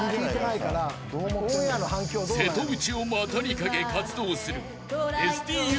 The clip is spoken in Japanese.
［瀬戸内を股に掛け活動する］